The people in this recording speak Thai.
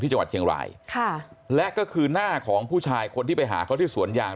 จังหวัดเชียงรายค่ะและก็คือหน้าของผู้ชายคนที่ไปหาเขาที่สวนยาง